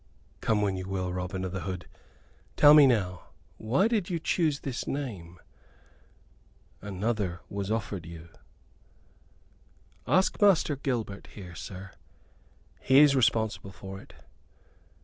Come when you will, Robin o' th' Hood. Tell me now, why did you choose this name? Another was offered you." "Ask Master Gilbert here, sir he is responsible for't.